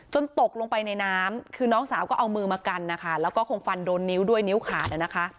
ตกลงไปในน้ำคือน้องสาวก็เอามือมากันนะคะแล้วก็คงฟันโดนนิ้วด้วยนิ้วขาดนะคะ